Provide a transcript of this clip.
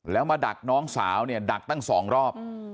แล้วมาดักน้องสาวเนี่ยดักตั้ง๒รอบ